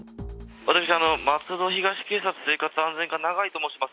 私、松戸東警察生活安全課、ナガイと申します。